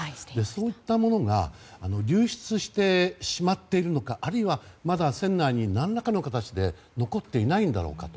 そういったものが流出してしまっているのかあるいはまだ船内に何らかの形で残っていないんだろうか。